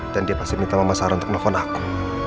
dan dia pasti minta mama sara untuk telepon aku